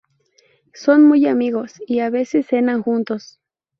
Son muy amigos, y a veces cenan juntos.